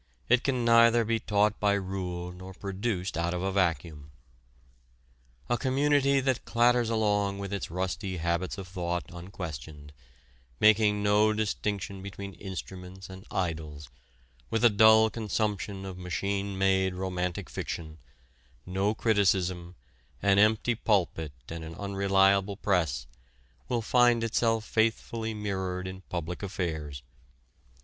It can neither be taught by rule nor produced out of a vacuum. A community that clatters along with its rusty habits of thought unquestioned, making no distinction between instruments and idols, with a dull consumption of machine made romantic fiction, no criticism, an empty pulpit and an unreliable press, will find itself faithfully mirrored in public affairs.